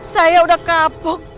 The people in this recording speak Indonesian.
saya udah kapok